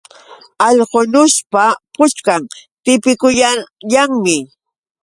Algunuspa puchkan tipikuyanmi.